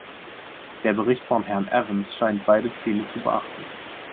Der Bericht von Herrn Evans scheint beide Ziele zu beachten.